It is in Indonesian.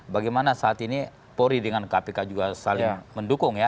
bagaimana saat ini polri dengan kpk juga saling mendukung ya